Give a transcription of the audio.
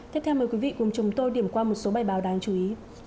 tiếp theo mời quý vị cùng chúng tôi điểm qua một số bài báo đáng chú ý